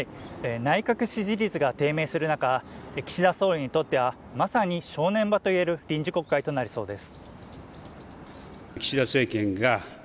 内閣支持率が低迷する中、岸田総理にとってはまさに正念場といわれる臨時国会となりそうです